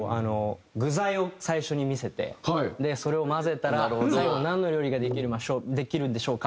具材を最初に見せてそれを混ぜたら最後なんの料理ができるんでしょうか？